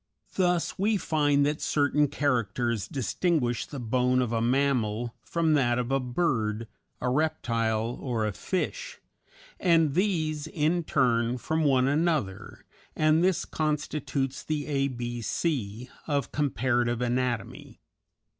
Thus we find that certain characters distinguish the bone of a mammal from that of a bird, a reptile, or a fish, and these in turn from one another, and this constitutes the A B C of comparative anatomy.